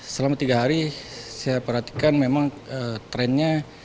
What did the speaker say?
selama tiga hari saya perhatikan memang trennya